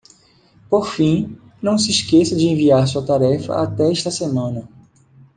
Por fim,? não se esqueça de enviar sua tarefa até esta semana.